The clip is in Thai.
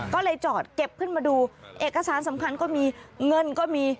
ก็เลยจอดเก็บขึ้นมาดูเอกสารสำคัญก็มีเงินก็มี